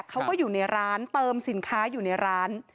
เขาก็อยู่ในร้านเติมสินค้าอยู่ในร้าน